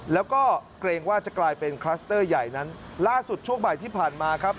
แล้วก็เกรงว่าจะกลายเป็นคลัสเตอร์ใหญ่นั้นล่าสุดช่วงบ่ายที่ผ่านมาครับ